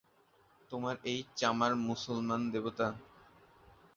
তোমার এই চামার মুসলমান দেবতা?